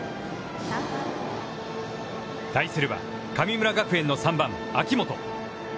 対するは、神村学園の３番秋元。